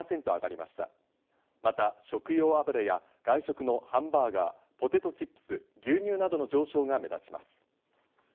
また、食用油や外食のハンバーガー、ポテトチップス、牛乳などの上昇が目立ちます。